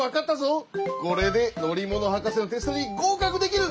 これでのりものはかせのテストにごうかくできる！